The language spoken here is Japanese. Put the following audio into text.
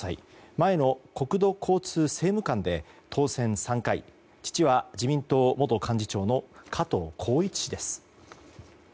前の国土交通政務官で当選３回、父は自民党元幹事長の加藤紘一氏です。